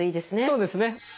そうですね。